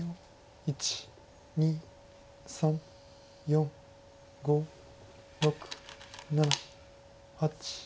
１２３４５６７８９。